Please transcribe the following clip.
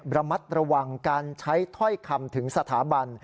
ระมัดระวังการใช้ถ้อยคำถึงสถาบัน